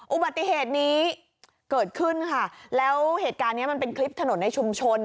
อุบัติเหตุนี้เกิดขึ้นค่ะแล้วเหตุการณ์เนี้ยมันเป็นคลิปถนนในชุมชน